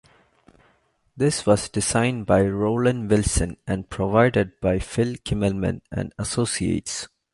This was designed by Rowland Wilson and provided by Phil Kimmelman and Associates.